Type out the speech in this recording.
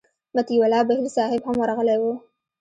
مطیع الله بهیر صاحب هم ورغلی و.